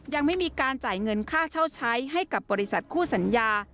ยังไม่มีการจ่ายเงินค่าเช่าใช้ให้กับบริษัทคู่สัญญา